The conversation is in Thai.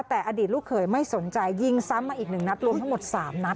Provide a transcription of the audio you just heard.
แต่อดีตลูกเขยไม่สนใจยิงซ้ำมาอีก๑นัดรวมทั้งหมด๓นัด